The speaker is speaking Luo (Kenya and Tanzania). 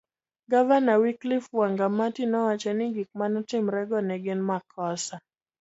Gavana Wycliffe wangamati nowacho ni gik manotimrego ne gin makosa